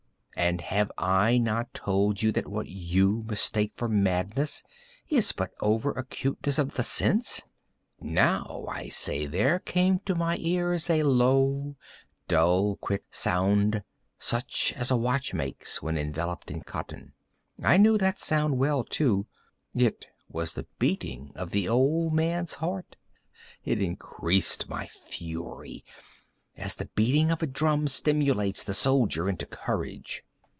And have I not told you that what you mistake for madness is but over acuteness of the sense?—now, I say, there came to my ears a low, dull, quick sound, such as a watch makes when enveloped in cotton. I knew that sound well, too. It was the beating of the old man's heart. It increased my fury, as the beating of a drum stimulates the soldier into courage.